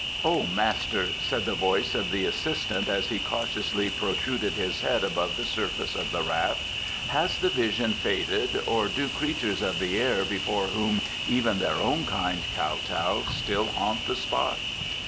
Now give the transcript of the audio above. "O master," said the voice of the assistant, as he cautiously protruded his head above the surface of the raft, "has the vision faded, or do creatures of the air before whom even their own kind kowtow still haunt the spot?"